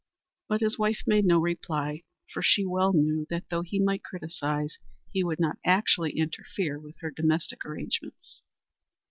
But his wife made no reply, for she well knew that though he might criticize, he would not actually interfere with her domestic arrangements.